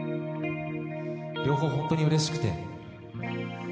両方、本当にうれしくて。